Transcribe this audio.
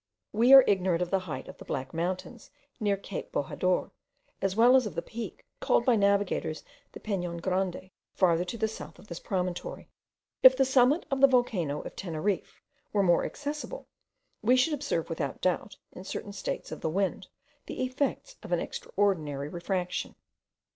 We are ignorant of the height of the Black Mountains near cape Bojador, as well as of that peak, called by navigators the Penon Grande, farther to the south of this promontory. If the summit of the volcano of Teneriffe were more accessible, we should observe without doubt, in certain states of the wind, the effects of an extraordinary refraction.